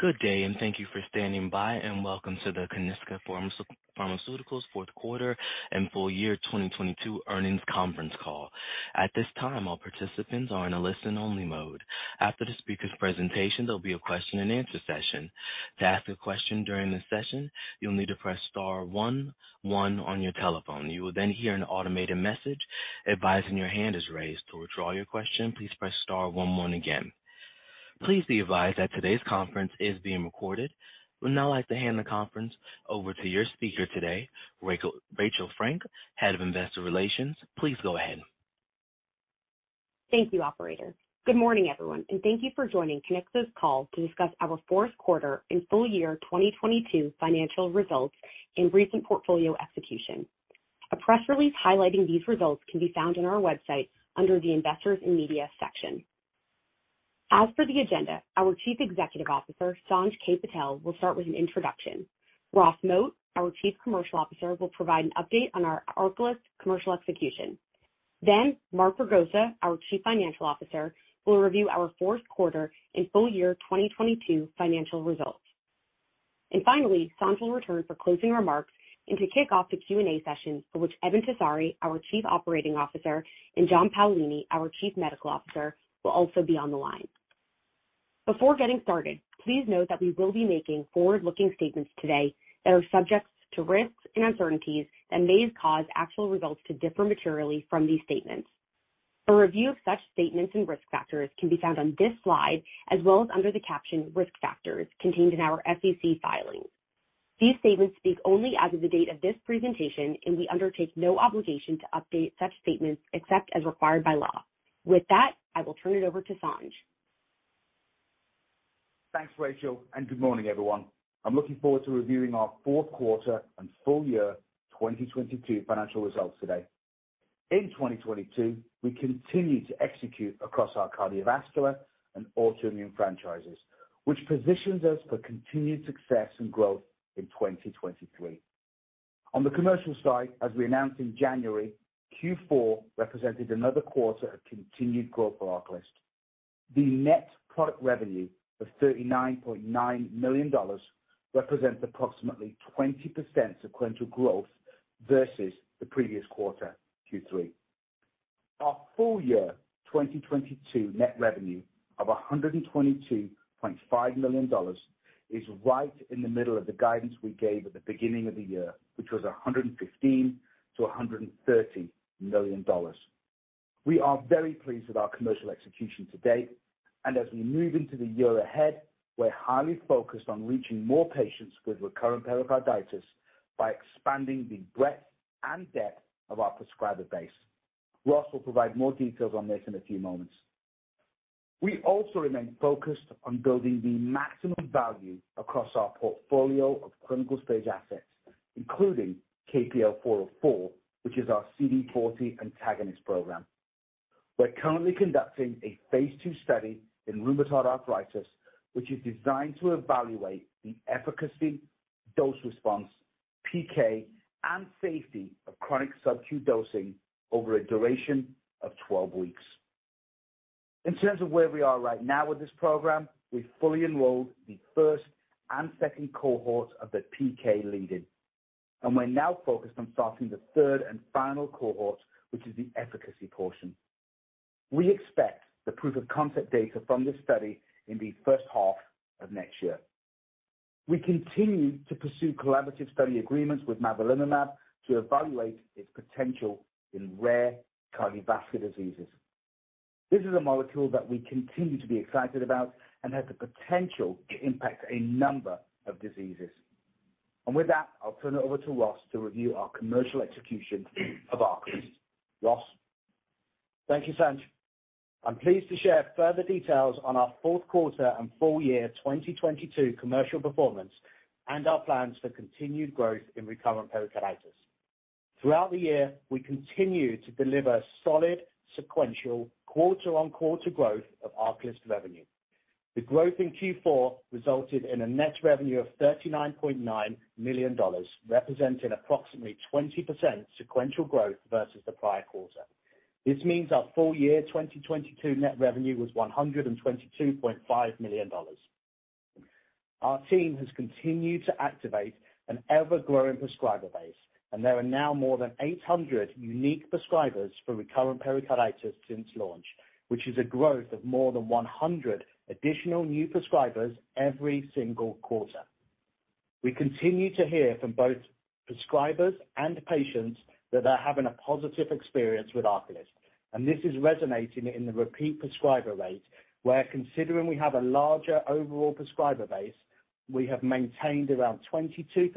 Good day, and thank you for standing by, and welcome to the Kiniksa Pharmaceuticals fourth quarter and full year 2022 earnings conference call. At this time, all participants are in a listen-only mode. After the speaker's presentation, there'll be a question-and-answer session. To ask a question during the session, you'll need to press star one one on your telephone. You will then hear an automated message advising your hand is raised. To withdraw your question, please press star one one again. Please be advised that today's conference is being recorded. We'd now like to hand the conference over to your speaker today, Rachel Frank, Head of Investor Relations. Please go ahead. Thank you, operator. Good morning, everyone. Thank you for joining Kiniksa's call to discuss our fourth quarter and full year 2022 financial results and recent portfolio execution. A press release highlighting these results can be found on our website under the Investors and Media section. As for the agenda, our Chief Executive Officer, Sanj K. Patel, will start with an introduction. Ross Moat, our Chief Commercial Officer, will provide an update on our ARCALYST commercial execution. Mark Ragosa, our Chief Financial Officer, will review our fourth quarter and full year 2022 financial results. Finally, Sanj will return for closing remarks and to kick off the Q&A session for which Eben Tessari, our Chief Operating Officer, and John Paolini, our Chief Medical Officer, will also be on the line. Before getting started, please note that we will be making forward-looking statements today that are subject to risks and uncertainties that may cause actual results to differ materially from these statements. A review of such statements and risk factors can be found on this slide, as well as under the caption "Risk factors" contained in our SEC filings. These statements speak only as of the date of this presentation, we undertake no obligation to update such statements except as required by law. With that, I will turn it over to Sanj. Thanks, Rachel, good morning, everyone. I'm looking forward to reviewing our fourth quarter and full year 2022 financial results today. In 2022, we continued to execute across our cardiovascular and autoimmune franchises, which positions us for continued success and growth in 2023. On the commercial side, as we announced in January, Q4 represented another quarter of continued growth for ARCALYST. The net product revenue of $39.9 million represents approximately 20% sequential growth versus the previous quarter, Q3. Our full year 2022 net revenue of $122.5 million is right in the middle of the guidance we gave at the beginning of the year, which was $115 million-$130 million. We are very pleased with our commercial execution to date. As we move into the year ahead, we're highly focused on reaching more patients with recurrent pericarditis by expanding the breadth and depth of our prescriber base. Ross will provide more details on this in a few moments. We also remain focused on building the maximum value across our portfolio of clinical-stage assets, including KPL-404, which is our CD40 antagonist program. We're currently conducting a phase II study in rheumatoid arthritis, which is designed to evaluate the efficacy, dose response, PK, and safety of chronic SubQ dosing over a duration of 12 weeks. In terms of where we are right now with this program, we've fully enrolled the first and second cohort of the PK lead-in, and we're now focused on starting the third and final cohort, which is the efficacy portion. We expect the proof of concept data from this study in the first half of next year. We continue to pursue collaborative study agreements with mavrilimumab to evaluate its potential in rare cardiovascular diseases. This is a molecule that we continue to be excited about and has the potential to impact a number of diseases. With that, I'll turn it over to Ross to review our commercial execution of ARCALYST. Ross? Thank you, Sanj. I'm pleased to share further details on our fourth quarter and full year 2022 commercial performance and our plans for continued growth in recurrent pericarditis. Throughout the year, we continued to deliver solid sequential quarter-on-quarter growth of ARCALYST revenue. The growth in Q4 resulted in a net revenue of $39.9 million, representing approximately 20% sequential growth versus the prior quarter. This means our full year 2022 net revenue was $122.5 million. Our team has continued to activate an ever-growing prescriber base, and there are now more than 800 unique prescribers for recurrent pericarditis since launch, which is a growth of more than 100 additional new prescribers every single quarter. We continue to hear from both prescribers and patients that they're having a positive experience with ARCALYST, and this is resonating in the repeat prescriber rate, where considering we have a larger overall prescriber base, we have maintained around 22%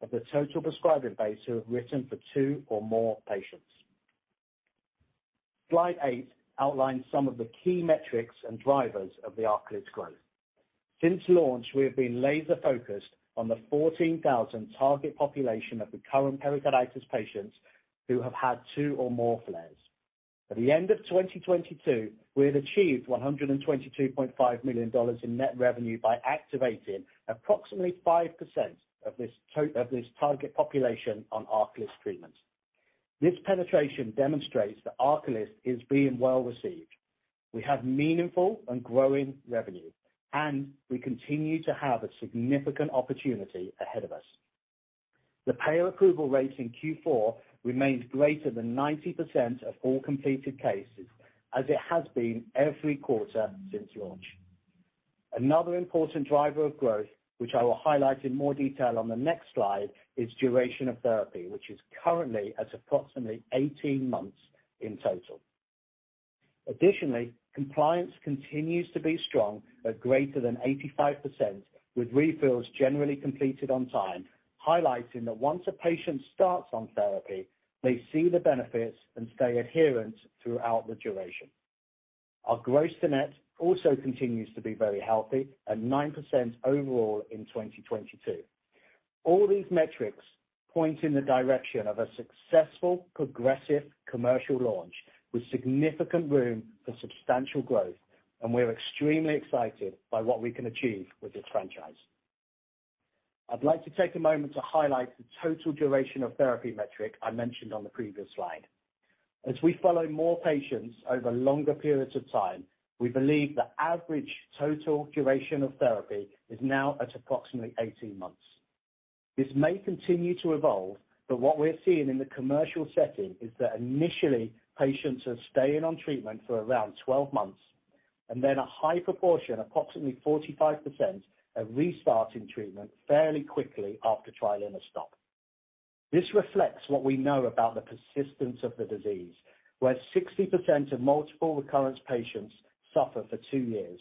of the total prescriber base who have written for two or more patients. Slide eight outlines some of the key metrics and drivers of the ARCALYST growth. Since launch, we have been laser-focused on the 14,000 target population of recurrent pericarditis patients who have had two or more flares. At the end of 2022, we had achieved $122.5 million in net revenue by activating approximately 5% of this of this target population on ARCALYST treatment. This penetration demonstrates that ARCALYST is being well received. We have meaningful and growing revenue, we continue to have a significant opportunity ahead of us. The payer approval rate in Q4 remains greater than 90% of all completed cases, as it has been every quarter since launch. Another important driver of growth, which I will highlight in more detail on the next slide, is duration of therapy, which is currently at approximately 18 months in total. Additionally, compliance continues to be strong at greater than 85%, with refills generally completed on time, highlighting that once a patient starts on therapy, they see the benefits and stay adherent throughout the duration. Our gross to net also continues to be very healthy at 9% overall in 2022. All these metrics point in the direction of a successful, progressive commercial launch with significant room for substantial growth. We're extremely excited by what we can achieve with this franchise. I'd like to take a moment to highlight the total duration of therapy metric I mentioned on the previous slide. As we follow more patients over longer periods of time, we believe the average total duration of therapy is now at approximately 18 months. This may continue to evolve. What we're seeing in the commercial setting is that initially patients are staying on treatment for around 12 months, and then a high proportion, approximately 45%, are restarting treatment fairly quickly after trial in a stop. This reflects what we know about the persistence of the disease, where 60% of multiple recurrence patients suffer for two years.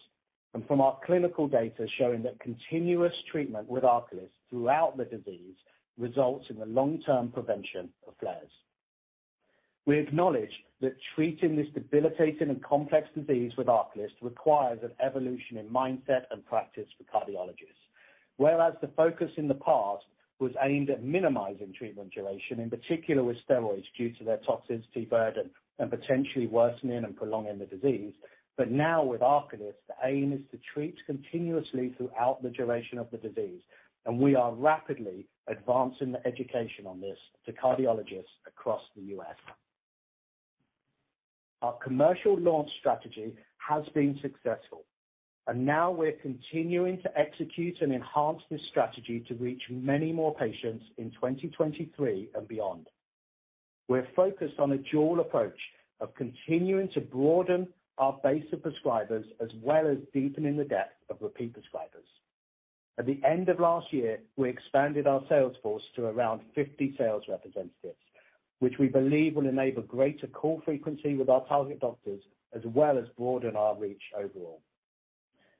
From our clinical data showing that continuous treatment with ARCALYST throughout the disease results in the long-term prevention of flares. We acknowledge that treating this debilitating and complex disease with ARCALYST requires an evolution in mindset and practice for cardiologists. Whereas the focus in the past was aimed at minimizing treatment duration, in particular with steroids due to their toxicity burden and potentially worsening and prolonging the disease. Now with ARCALYST, the aim is to treat continuously throughout the duration of the disease, and we are rapidly advancing the education on this to cardiologists across the U.S. Our commercial launch strategy has been successful, and now we're continuing to execute and enhance this strategy to reach many more patients in 2023 and beyond. We're focused on a dual approach of continuing to broaden our base of prescribers as well as deepening the depth of repeat prescribers. At the end of last year, we expanded our sales force to around 50 sales representatives, which we believe will enable greater call frequency with our target doctors, as well as broaden our reach overall.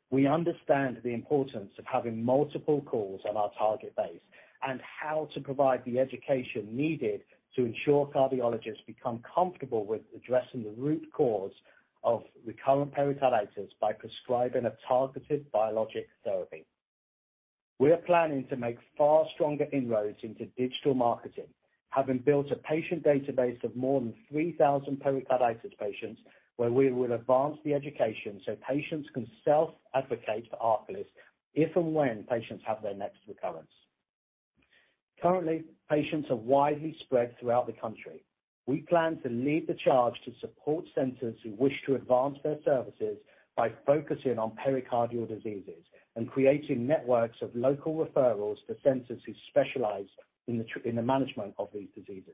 We understand the importance of having multiple calls on our target base and how to provide the education needed to ensure cardiologists become comfortable with addressing the root cause of recurrent pericarditis by prescribing a targeted biologic therapy. We are planning to make far stronger inroads into digital marketing, having built a patient database of more than 3,000 pericarditis patients where we will advance the education so patients can self-advocate for ARCALYST if and when patients have their next recurrence. Currently, patients are widely spread throughout the country. We plan to lead the charge to support centers who wish to advance their services by focusing on pericardial diseases and creating networks of local referrals for centers who specialize in the management of these diseases.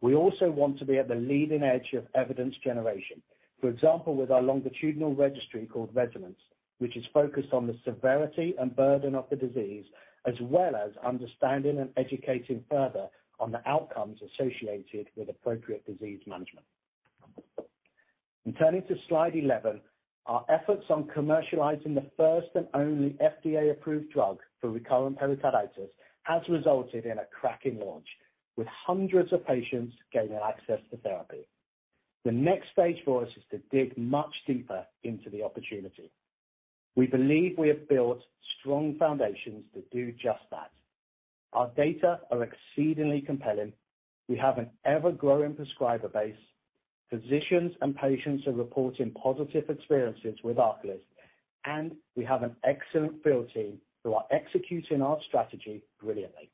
We also want to be at the leading edge of evidence generation. For example, with our longitudinal registry called RESONANCE, which is focused on the severity and burden of the disease, as well as understanding and educating further on the outcomes associated with appropriate disease management. Turning to slide 11, our efforts on commercializing the first and only FDA-approved drug for recurrent pericarditis has resulted in a cracking launch, with hundreds of patients gaining access to therapy. The next stage for us is to dig much deeper into the opportunity. We believe we have built strong foundations to do just that. Our data are exceedingly compelling. We have an ever-growing prescriber base. Physicians and patients are reporting positive experiences with ARCALYST, and we have an excellent field team who are executing our strategy brilliantly.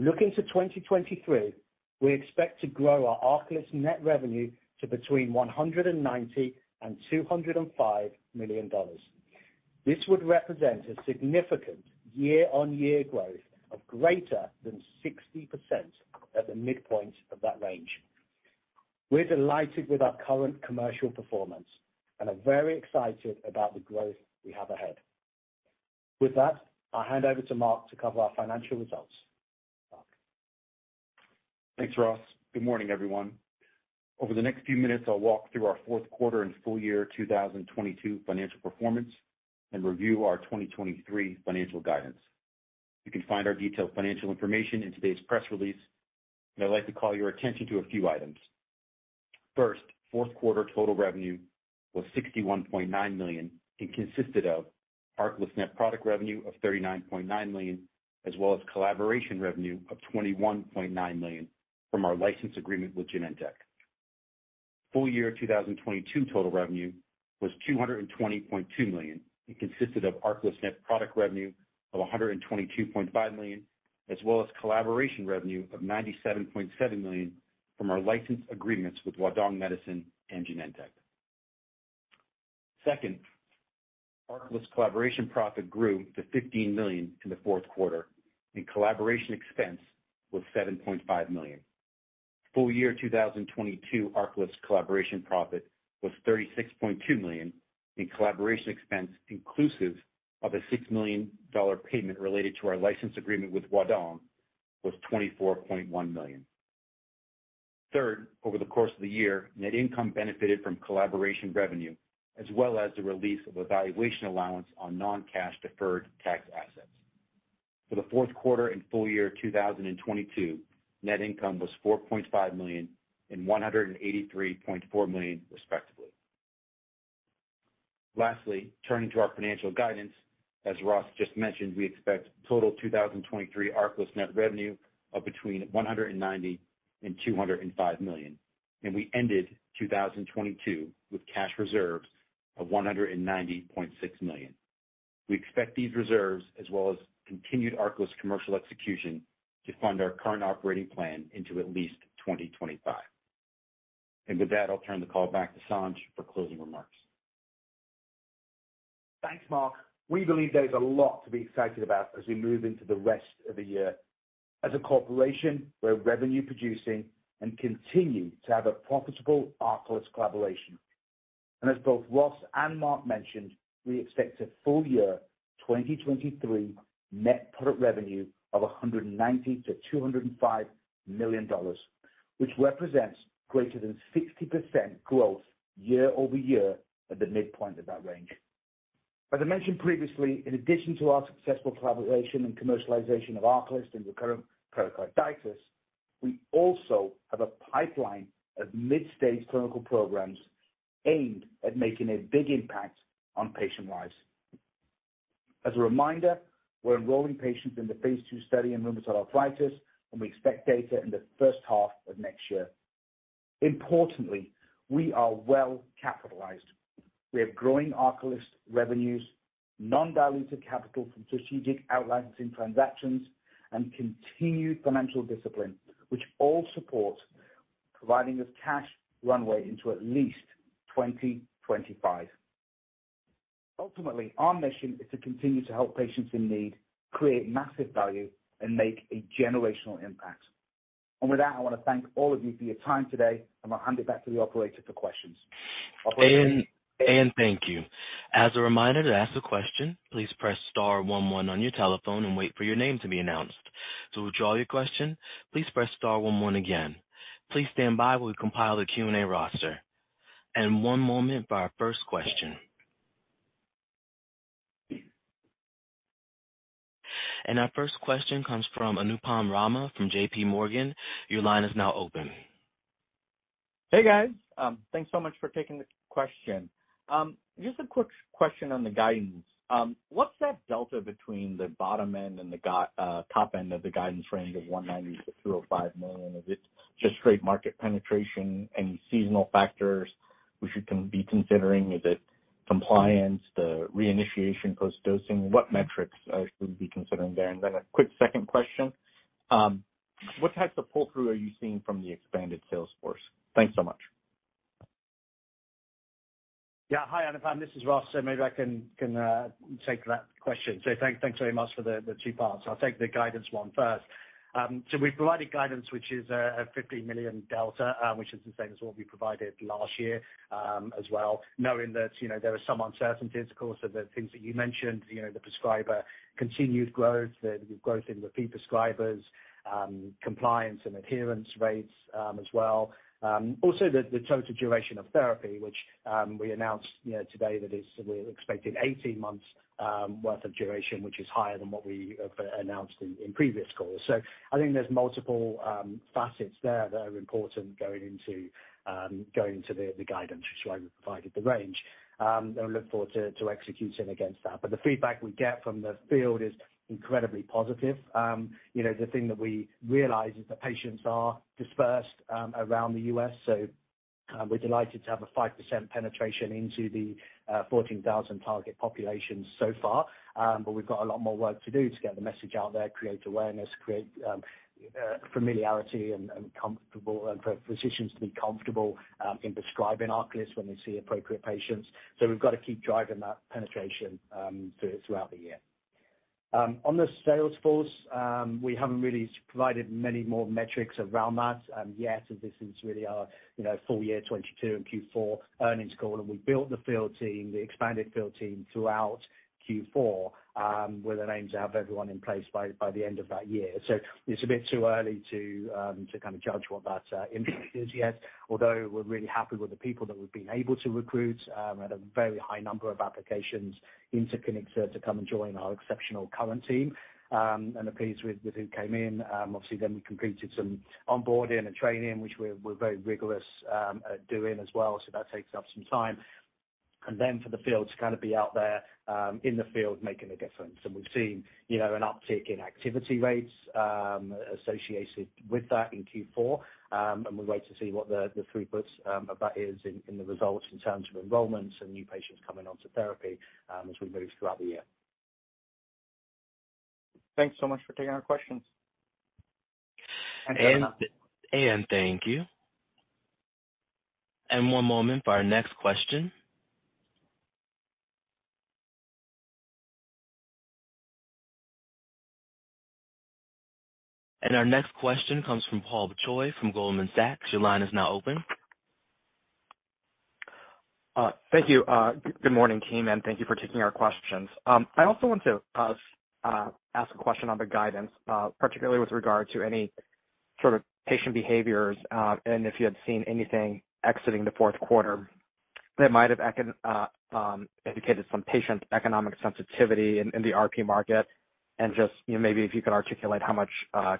Looking to 2023, we expect to grow our ARCALYST net revenue to between $190 million and $205 million. This would represent a significant year-on-year growth of greater than 60% at the midpoint of that range. We're delighted with our current commercial performance and are very excited about the growth we have ahead. With that, I'll hand over to Mark to cover our financial results. Mark? Thanks, Ross. Good morning, everyone. Over the next few minutes, I'll walk through our fourth quarter and full year 2022 financial performance and review our 2023 financial guidance. You can find our detailed financial information in today's press release. I'd like to call your attention to a few items. First, fourth quarter total revenue was $61.9 million and consisted of ARCALYST net product revenue of $39.9 million, as well as collaboration revenue of $21.9 million from our license agreement with Genentech. Full year 2022 total revenue was $220.2 million. It consisted of ARCALYST net product revenue of $122.5 million, as well as collaboration revenue of $97.7 million from our license agreements with Huadong Medicine and Genentech. Second, ARCALYST collaboration profit grew to $15 million in the fourth quarter, and collaboration expense was $7.5 million. Full year 2022 ARCALYST collaboration profit was $36.2 million, and collaboration expense inclusive of a $6 million payment related to our license agreement with Huadong Medicine was $24.1 million. Third, over the course of the year, net income benefited from collaboration revenue as well as the release of a valuation allowance on non-cash deferred tax assets. For the fourth quarter and full year 2022, net income was $4.5 million and $183.4 million, respectively. Lastly, turning to our financial guidance, as Ross just mentioned, we expect total 2023 ARCALYST net revenue of between $190 million and $205 million, we ended 2022 with cash reserves of $190.6 million. We expect these reserves as well as continued ARCALYST commercial execution to fund our current operating plan into at least 2025. With that, I'll turn the call back to Sanj for closing remarks. Thanks, Mark. We believe there's a lot to be excited about as we move into the rest of the year. As a corporation, we're revenue producing and continue to have a profitable ARCALYST collaboration. As both Ross and Mark mentioned, we expect a full year 2023 net product revenue of $190 million-$205 million, which represents greater than 60% growth year-over-year at the midpoint of that range. As I mentioned previously, in addition to our successful collaboration and commercialization of ARCALYST in recurrent pericarditis, we also have a pipeline of mid-stage clinical programs aimed at making a big impact on patient lives. As a reminder, we're enrolling patients in the phase II study in rheumatoid arthritis, and we expect data in the first half of next year. Importantly, we are well capitalized. We have growing ARCALYST revenues, non-diluted capital from strategic out-licensing transactions, and continued financial discipline, which all support providing us cash runway into at least 2025. Ultimately, our mission is to continue to help patients in need, create massive value, and make a generational impact. With that, I want to thank all of you for your time today, and I'll hand it back to the operator for questions. Thank you. As a reminder to ask a question, please press star one one on your telephone and wait for your name to be announced. To withdraw your question, please press star one one again. Please stand by while we compile the Q&A roster. One moment for our first question. Our first question comes from Anupam Rama from JPMorgan. Your line is now open. Hey, guys. Thanks so much for taking the question. Just a quick question on the guidance. What's that delta between the bottom end and the top end of the guidance range of $190 million-$205 million? Is it just straight market penetration, any seasonal factors we should be considering? Is it compliance, the reinitiation post-dosing? What metrics should we be considering there? Then a quick second question. What types of pull-through are you seeing from the expanded sales force? Thanks so much. Yeah. Hi, Anupam. This is Ross. Maybe I can take that question. Thanks very much for the two parts. I'll take the guidance one first. We've provided guidance, which is a $15 million delta, which is the same as what we provided last year as well, knowing that, you know, there are some uncertainties, of course. The things that you mentioned, you know, the prescriber continued growth, the growth in repeat prescribers, compliance and adherence rates as well. Also the total duration of therapy, which we announced, you know, today that is we're expecting 18 months worth of duration, which is higher than what we have announced in previous calls. I think there's multiple facets there that are important going into going into the guidance, which is why we provided the range. Look forward to executing against that. The feedback we get from the field is incredibly positive. You know, the thing that we realize is that patients are dispersed around the U.S. We're delighted to have a 5% penetration into the 14,000 target population so far. We've got a lot more work to do to get the message out there, create awareness, create familiarity and comfortable and for physicians to be comfortable in prescribing ARCALYST when they see appropriate patients. We've got to keep driving that penetration throughout the year. On the sales force, we haven't really provided many more metrics around that yet. This is really our, you know, full year 2022 and Q4 earnings call. We built the field team, the expanded field team throughout Q4, with an aim to have everyone in place by the end of that year. It's a bit too early to kind of judge what that impact is yet. Although we're really happy with the people that we've been able to recruit, we had a very high number of applications into Kiniksa to come and join our exceptional current team, and are pleased with who came in. Obviously, we completed some onboarding and training, which we're very rigorous at doing as well, so that takes up some time. For the field to kind of be out there in the field making a difference. We've seen, you know, an uptick in activity rates associated with that in Q4. We wait to see what the throughputs of that is in the results in terms of enrollments and new patients coming onto therapy as we move throughout the year. Thanks so much for taking our questions. Thank you. One moment for our next question. Our next question comes from Paul Choi from Goldman Sachs. Your line is now open. Thank you. Good morning, team, thank you for taking our questions. I also want to ask a question on the guidance, particularly with regard to any sort of patient behaviors, and if you had seen anything exiting the fourth quarter that might have indicated some patient economic sensitivity in the RP market. Just, you know, maybe if you could articulate how much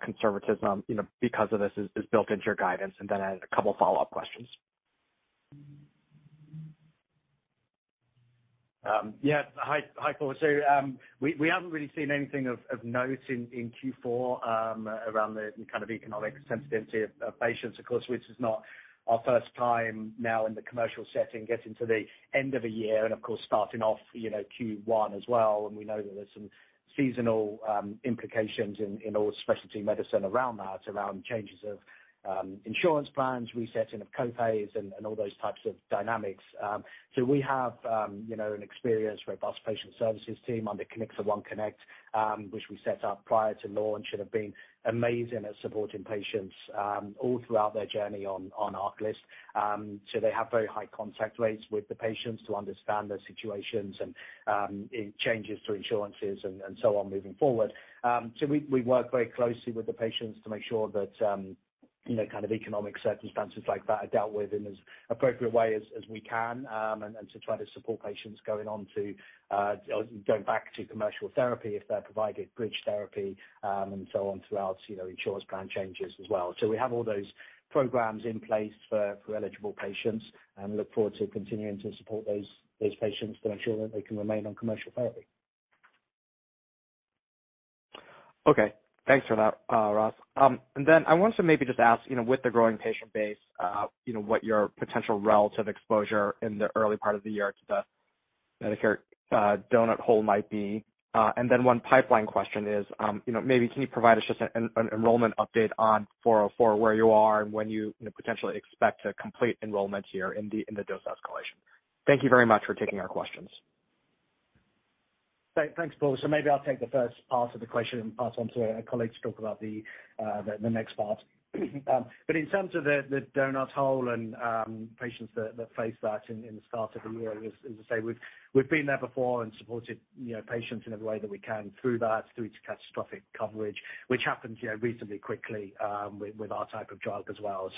conservatism, you know, because of this is built into your guidance. Then I have a couple follow questions. Hi, Paul. We haven't really seen anything of note in Q4 around the kind of economic sensitivity of patients. Of course, this is not our first time now in the commercial setting getting to the end of a year and of course starting off, you know, Q1 as well. We know that there's some seasonal implications in all specialty medicine around that, around changes of insurance plans, resetting of co-pays and all those types of dynamics. We have, you know, an experienced, robust patient services team under Kiniksa OneConnect, which we set up prior to launch and have been amazing at supporting patients all throughout their journey on ARCALYST. They have very high contact rates with the patients to understand their situations and changes to insurances and so on moving forward. We work very closely with the patients to make sure that, you know, kind of economic circumstances like that are dealt with in as appropriate way as we can, and to try to support patients going on to going back to commercial therapy if they're provided bridge therapy and so on throughout, you know, insurance plan changes as well. We have all those programs in place for eligible patients, and look forward to continuing to support those patients to ensure that they can remain on commercial therapy. Okay. Thanks for that, Ross. I want to maybe just ask, you know, with the growing patient base, you know, what your potential relative exposure in the early part of the year to the Medicare donut hole might be. One pipeline question is, you know, maybe can you provide us just an enrollment update on KPL-404, where you are and when you know, potentially expect to complete enrollment here in the dose escalation? Thank you very much for taking our questions. Thanks, Paul. Maybe I'll take the first part of the question and pass on to a colleague to talk about the next part. In terms of the donut hole and patients that face that in the start of the year, as I say, we've been there before and supported, you know, patients in every way that we can through that, through to catastrophic coverage, which happens, you know, reasonably quickly with our type of drug as well.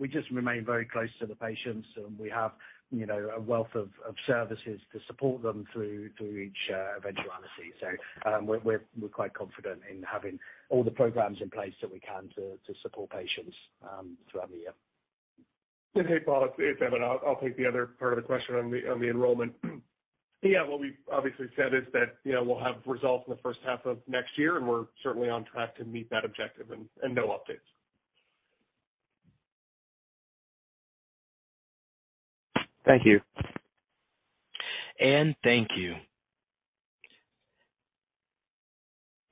We just remain very close to the patients. We have, you know, a wealth of services to support them through each eventuality. We're quite confident in having all the programs in place that we can to support patients throughout the year. Hey, Paul, it's Eben. I'll take the other part of the question on the enrollment. Yeah, what we've obviously said is that, you know, we'll have results in the first half of next year, and we're certainly on track to meet that objective and no updates. Thank you. Thank you.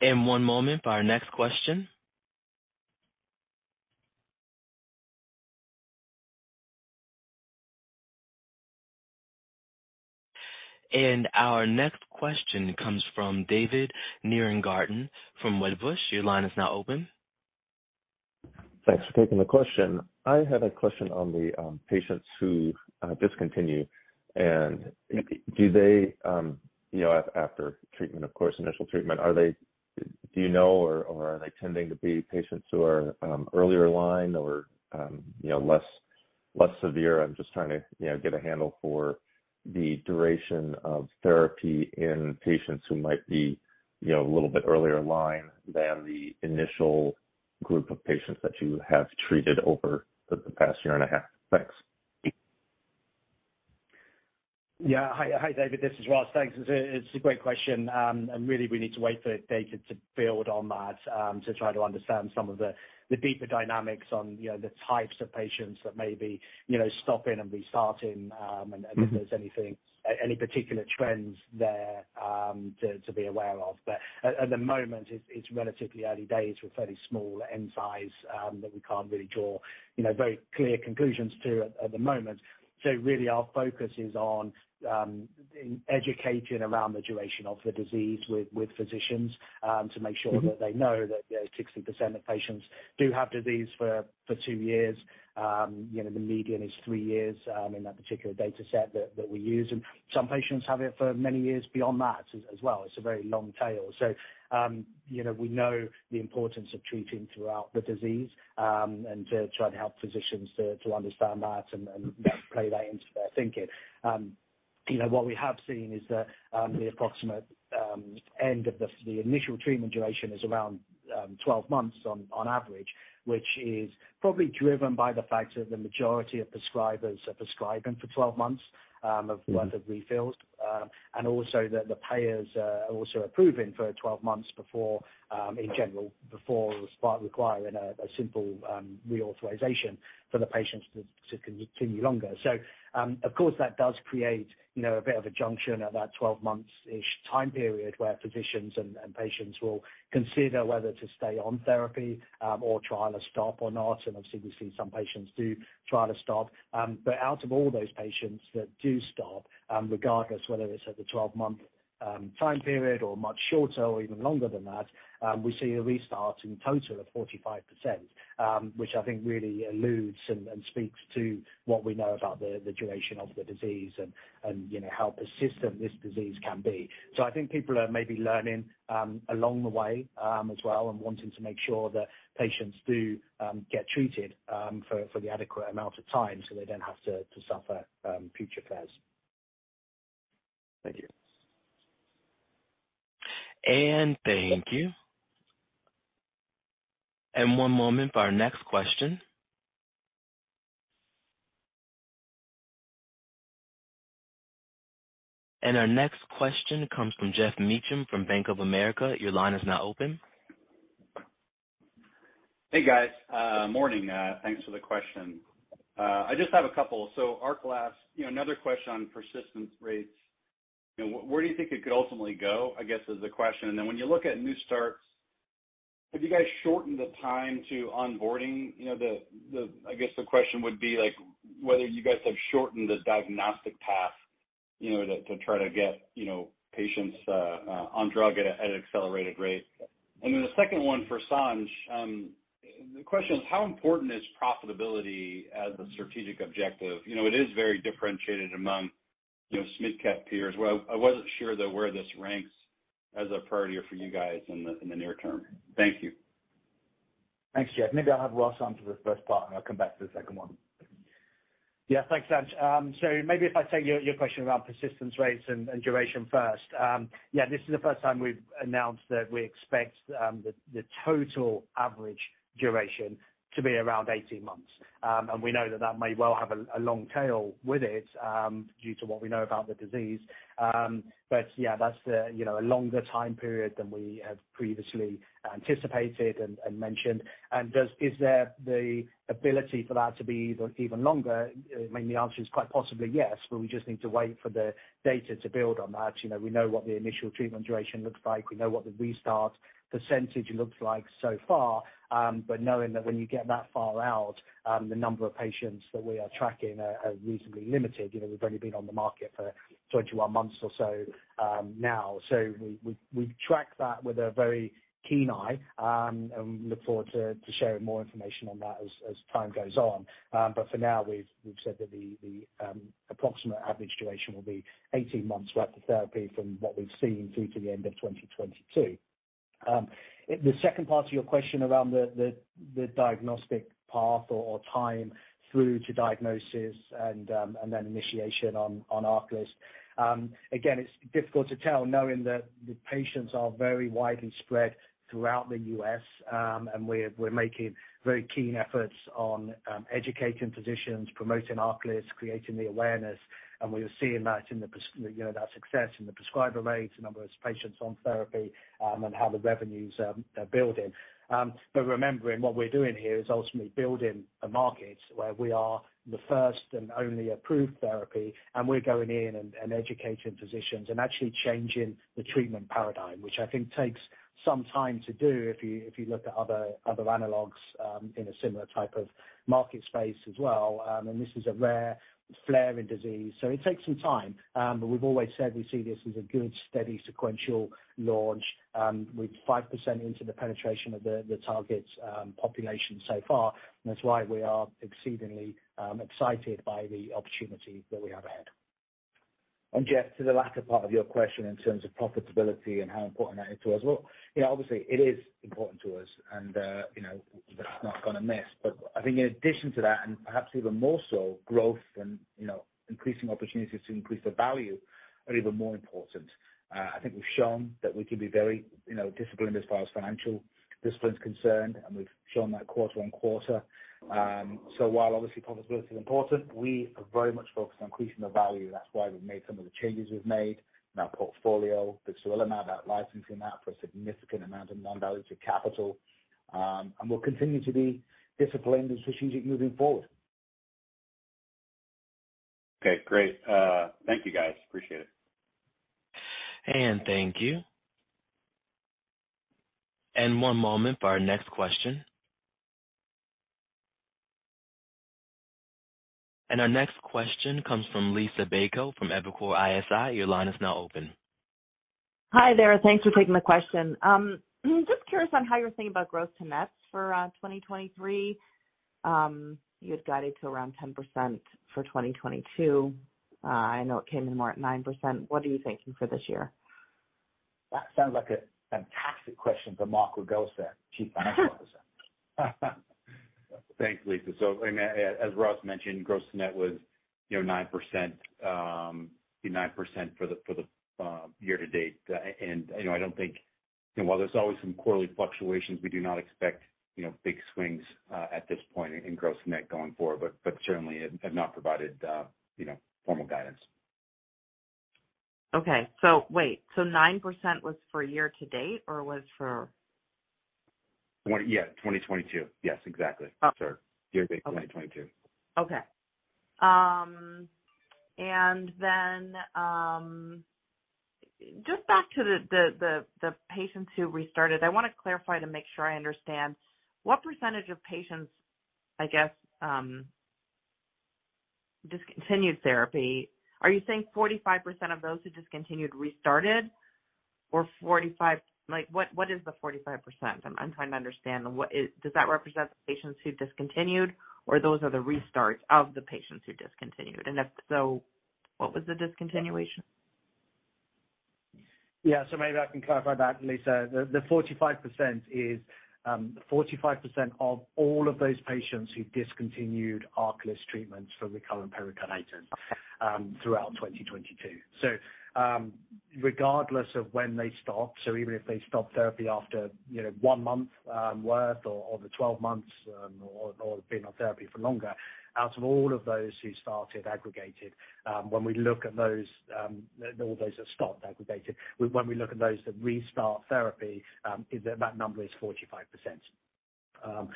One moment for our next question. Our next question comes from David Nierengarten from Wedbush. Your line is now open. Thanks for taking the question. I had a question on the patients who discontinue. Do they, you know, after treatment, of course, initial treatment, do you know, or are they tending to be patients who are earlier line or, you know, less severe? I'm just trying to, you know, get a handle for the duration of therapy in patients who might be, you know, a little bit earlier line than the initial group of patients that you have treated over the past year and a half. Thanks. Yeah. Hi, David. This is Ross. Thanks. It's a great question. Really we need to wait for data to build on that, to try to understand some of the deeper dynamics on, you know, the types of patients that may be, you know, stopping and restarting, and if there's any particular trends there to be aware of. At the moment, it's relatively early days with fairly small end size that we can't really draw, you know, very clear conclusions to at the moment. Really our focus is on educating around the duration of the disease with physicians to make sure that they know that, you know, 60% of patients do have disease for two years. You know, the median is three years in that particular dataset that we use. Some patients have it for many years beyond that as well. It's a very long tail. You know, we know the importance of treating throughout the disease and to try to help physicians to understand that and play that into their thinking. You know, what we have seen is that the approximate end of the initial treatment duration is around 12 months on average, which is probably driven by the fact that the majority of prescribers are prescribing for 12 months of refills. Also that the payers are also approving for 12 months before, in general, before requiring a simple reauthorization for the patients to continue longer. Of course, that does create, you know, a bit of a junction at that 12 months-ish time period, where physicians and patients will consider whether to stay on therapy or trial a stop or not. Obviously we've seen some patients do trial a stop. Out of all those patients that do stop, regardless whether it's at the 12-month time period or much shorter or even longer than that, we see a restart in total of 45%, which I think really alludes and speaks to what we know about the duration of the disease and, you know, how persistent this disease can be. I think people are maybe learning along the way as well, and wanting to make sure that patients do get treated for the adequate amount of time, so they don't have to suffer future flares. Thank you. Thank you. One moment for our next question. Our next question comes from Geoff Meacham from Bank of America. Your line is now open. Hey, guys. Morning. Thanks for the question. I just have a couple. ARCALYST, you know, another question on persistence rates. You know, where do you think it could ultimately go? I guess is the question. When you look at new starts, have you guys shortened the time to onboarding? You know, I guess the question would be like whether you guys have shortened the diagnostic path, you know, to try to get, you know, patients on drug at an accelerated rate. The second one for Sanj. The question is how important is profitability as a strategic objective? You know, it is very differentiated among, you know, mid-cap peers. What I wasn't sure though, where this ranks as a priority for you guys in the near term? Thank you. Thanks, Geoff. Maybe I'll have Ross answer the first part, and I'll come back for the second one. Yeah. Thanks, Sanj. So maybe if I take your question around persistence rates and duration first. Yeah, this is the first time we've announced that we expect the total average duration to be around 18 months. We know that that may well have a long tail with it due to what we know about the disease. But yeah, that's a, you know, a longer time period than we had previously anticipated and mentioned. Is there the ability for that to be even longer? I mean, the answer is quite possibly yes, but we just need to wait for the data to build on that. You know, we know what the initial treatment duration looks like. We know what the restart percentage looks like so far. Knowing that when you get that far out, the number of patients that we are tracking are reasonably limited. You know, we've only been on the market for 21 months or so now. We track that with a very keen eye and look forward to sharing more information on that as time goes on. For now, we've said that the approximate average duration will be 18 months worth of therapy from what we've seen through to the end of 2022. The second part of your question around the diagnostic path or time through to diagnosis and then initiation on ARCALYST. Again, it's difficult to tell knowing that the patients are very widely spread throughout the U.S., and we're making very keen efforts on educating physicians, promoting ARCALYST, creating the awareness. We're seeing that in the you know, that success in the prescriber rates, the number of patients on therapy, and how the revenues are building. Remembering what we're doing here is ultimately building a market where we are the first and only approved therapy, and we're going in and educating physicians and actually changing the treatment paradigm, which I think takes some time to do if you, if you look at other analogs in a similar type of market space as well. This is a rare flaring disease, so it takes some time. We've always said we see this as a good, steady, sequential launch with 5% into the penetration of the target population so far. That's why we are exceedingly excited by the opportunity that we have ahead. Geoff, to the latter part of your question in terms of profitability and how important that is to us. Look, you know, obviously it is important to us and, you know, that's not gonna miss. I think in addition to that, and perhaps even more so, growth and, you know, increasing opportunities to increase the value are even more important. I think we've shown that we can be very, you know, disciplined as far as financial discipline's concerned, and we've shown that quarter-on-quarter. While obviously profitability is important, we are very much focused on increasing the value. That's why we've made some of the changes we've made in our portfolio, vixarelimab, about licensing that for a significant amount of non-dilutive capital. We'll continue to be disciplined and strategic moving forward. Okay. Great. Thank you, guys. Appreciate it. Thank you. One moment for our next question. Our next question comes from Liisa Bayko from Evercore ISI. Your line is now open. Hi, there. Thanks for taking the question. Just curious on how you're thinking about gross to net for 2023. You had guided to around 10% for 2022. I know it came in more at 9%. What are you thinking for this year? That sounds like a fantastic question for Mark Ragosa, Chief Financial Officer. Thanks, Liisa. I mean, as Ross mentioned, gross to net was, you know, 9% for the year-to-date. While there's always some quarterly fluctuations, we do not expect, you know, big swings at this point in gross net going forward. Certainly have not provided, you know, formal guidance. Okay. wait, so 9% was for year-to-date, or was for? Yeah. 2022. Yes, exactly. Oh. Sure. Year-to-date 2022. Okay. Just back to the patients who restarted, I wanna clarify to make sure I understand. What percentage of patients, I guess, discontinued therapy? Are you saying 45% of those who discontinued, restarted? Or 45%? Like, what is the 45%? I'm trying to understand. Does that represent the patients who discontinued, or those are the restarts of the patients who discontinued? If so, what was the discontinuation? Maybe I can clarify that, Liisa. The 45% is 45% of all of those patients who discontinued ARCALYST treatments for recurrent pericarditis throughout 2022. Regardless of when they stopped, even if they stopped therapy after, you know, one month worth or the 12 months or been on therapy for longer. Out of all of those who started aggregated, when we look at those, all those have stopped aggregated. When we look at those that restart therapy, that number is 45%.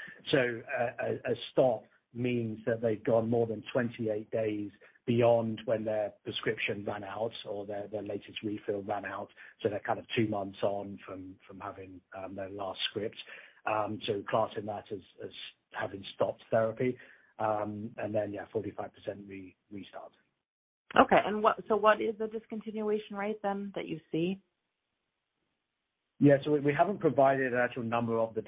A stop means that they've gone more than 28 days beyond when their prescription ran out or their latest refill ran out, they're kind of two months on from having their last script. Class in that as having stopped therapy. yeah, 45% restart. Okay. What is the discontinuation rate then that you see? We haven't provided an actual number of the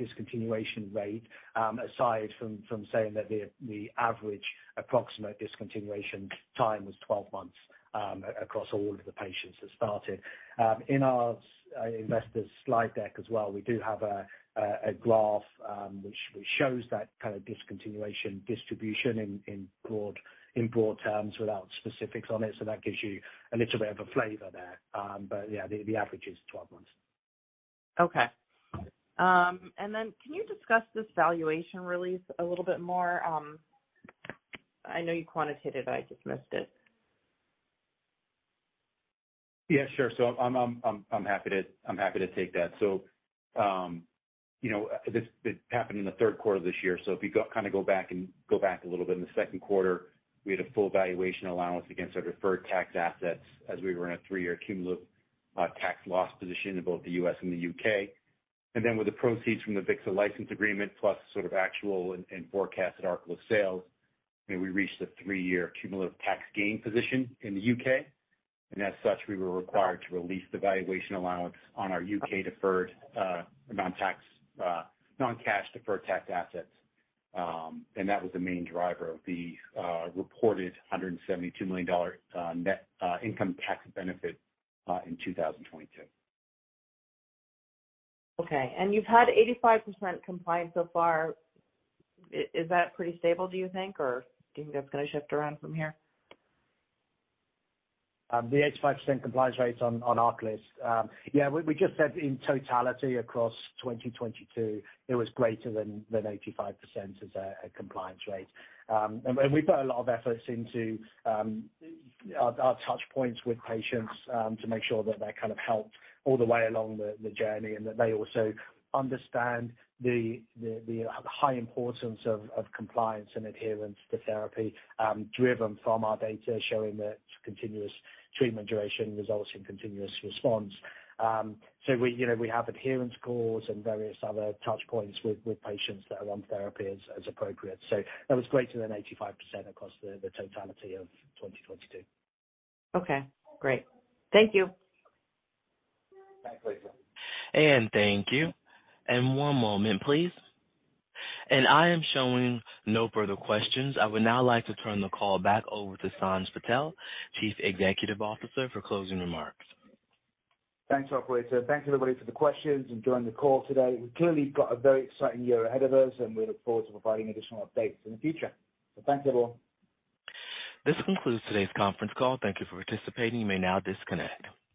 discontinuation rate, aside from saying that the average approximate discontinuation time was 12 months across all of the patients that started. In our investors slide deck as well, we do have a graph which shows that kind of discontinuation distribution in broad terms without specifics on it, so that gives you a little bit of a flavor there. Yeah, the average is 12 months. Okay. Can you discuss this valuation release a little bit more? I know you quantitated it, I just missed it. Yeah, sure. I'm happy to take that. You know, it happened in the third quarter of this year, so if you go back a little bit, in the second quarter, we had a full valuation allowance against our deferred tax assets as we were in a three-year cumulative tax loss position in both the U.S. and the U.K. With the proceeds from the vixarelimab license agreement, plus sort of actual and forecasted ARCALYST sales, you know, we reached the three-year cumulative tax gain position in the U.K. As such, we were required to release the valuation allowance on our U.K. deferred non-tax non-cash deferred tax assets. That was the main driver of the reported $172 million net income tax benefit in 2022. Okay. You've had 85% compliance so far. Is that pretty stable, do you think, or do you think that's gonna shift around from here? The 85% compliance rates on ARCALYST. we just said in totality across 2022, it was greater than 85% as a compliance rate. We put a lot of efforts into our touch points with patients to make sure that they're kind of helped all the way along the journey and that they also understand the high importance of compliance and adherence to therapy, driven from our data showing that continuous treatment duration results in continuous response. we, you know, we have adherence calls and various other touch points with patients that are on therapy as appropriate. That was greater than 85% across the totality of 2022. Okay, great. Thank you. Thanks, Liisa. Thank you. One moment, please. I am showing no further questions. I would now like to turn the call back over to Sanj Patel, Chief Executive Officer, for closing remarks. Thanks, operator. Thank you, everybody, for the questions and joining the call today. We've clearly got a very exciting year ahead of us, and we look forward to providing additional updates in the future. Thanks, everyone. This concludes today's conference call. Thank you for participating. You may now disconnect.